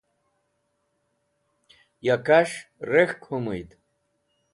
ya kas̃h rek̃hk humuyd